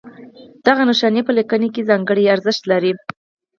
دغه نښې په لیکنه کې ځانګړی ارزښت لري.